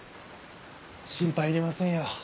心配いりませんよ